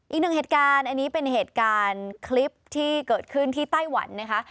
อีกหนึ่งเหตุการณ์อันนี้เป็นเหตุการณ์คลิปที่เกิดขึ้นที่ไต้หวันนะคะ